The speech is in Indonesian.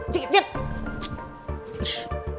cik cik cik